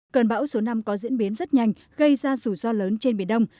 cơn bão số năm có diễn biến rất nhanh gây ra rủi ro lớn trên biển đông